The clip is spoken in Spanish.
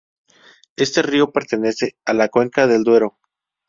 Este río pertenece a la cuenca del Duero.